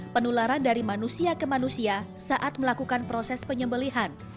penularan dari manusia ke manusia saat melakukan proses penyembelihan